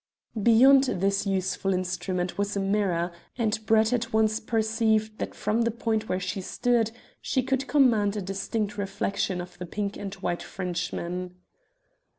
Beyond this useful instrument was a mirror, and Brett at once perceived that from the point where she stood she could command a distinct reflection of the pink and white Frenchman.